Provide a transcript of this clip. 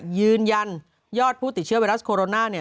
ยืนยันยอดผู้ติดเชื้อไวรัสโคโรนา